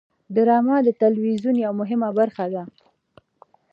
ډرامه د تلویزیون یوه مهمه برخه ده